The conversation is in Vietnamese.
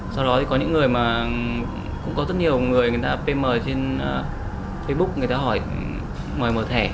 sau đó thì có những người mà cũng có rất nhiều người người ta pm trên facebook người ta hỏi mở thẻ